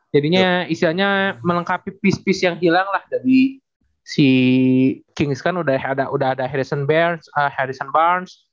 jadinya isianya melengkapi piece piece yang hilang lah dari si kings kan udah ada harrison barnes